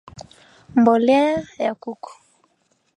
mbolea ya kuku